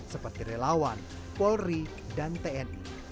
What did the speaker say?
seperti relawan polri dan tni